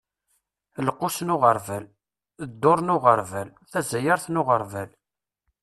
Lqus n uɣerbal, dduṛ n uɣerbal, tazayeṛt n uɣerbal.